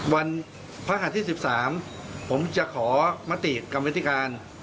วันพฤหาส์ที่๑๓ผมจะขอมติกรรมฤธิการ